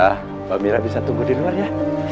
mbak mira bisa tumbuh di luar ya